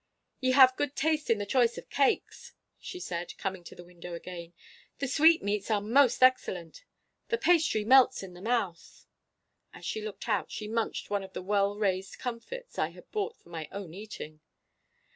'Ye have good taste in the choice of cakes!' she said, coming to the window again. 'The sweetmeats are most excellent. The pastry melts in the mouth.' As she looked out, she munched one of the well raised comfits I had bought for my own eating.